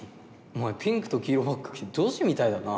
お前ピンクと黄色ばっか着て女子みたいだな。